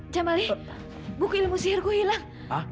jamali buku ilmu sihirku hilang